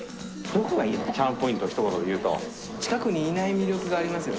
チャームポイントをひと言で近くにいない魅力があります